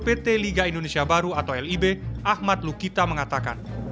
pt liga indonesia baru atau lib ahmad lukita mengatakan